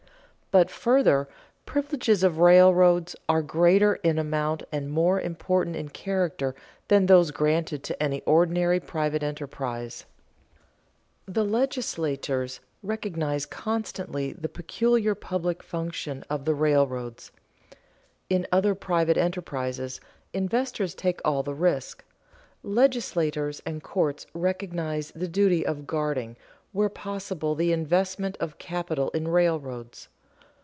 But, further, privileges of railroads are greater in amount and more important in character than those granted to any ordinary private enterprise. The legislatures recognize constantly the peculiar public functions of the railroads. In other private enterprises, investors take all the risk; legislatures and courts recognize the duty of guarding, where possible, the investment of capital in railroads.